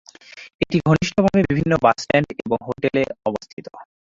এটি ঘনিষ্ঠভাবে বিভিন্ন বাস স্ট্যান্ড এবং হোটেল অবস্থিত।